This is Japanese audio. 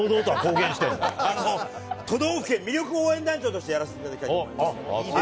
都道府県魅力応援団長としてやらせていただいております。